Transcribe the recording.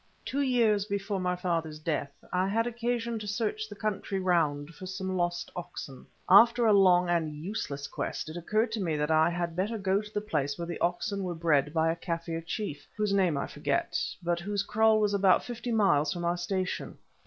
Two years before my father's death I had occasion to search the country round for some lost oxen. After a long and useless quest it occurred to me that I had better go to the place where the oxen were bred by a Kaffir chief, whose name I forget, but whose kraal was about fifty miles from our station.